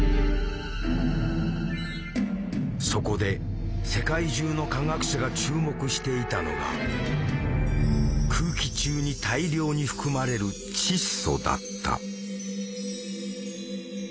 そこで世界中の化学者が注目していたのが空気中に大量に含まれる「窒素」だった。